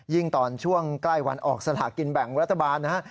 ยิ่งตอนช่วงใกล้วันออกสลากินแบ่งวัฒนาบาลนะครับ